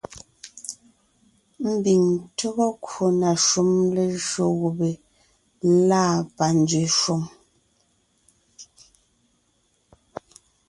Mbiŋ tÿɔ́gɔ kwò na shúm lejÿó gubé lâ panzwě shwòŋ,